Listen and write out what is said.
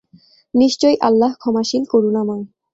নিশ্চয় আল্লাহ ক্ষমাশীল, করুনাময়।